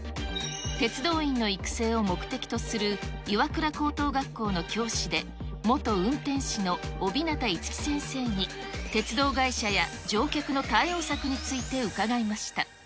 鉄道員の育成を目的とする岩倉高等学校の教師で、元運転士の大日方樹先生に鉄道会社や乗客の対応策について伺いました。